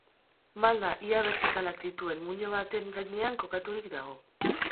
Malda ia bertikalak dituen muino baten gainean kokaturik dago.